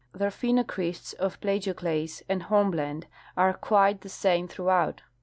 Their phenocrysts of plagio clase and hornl^lende are quite the same throughout.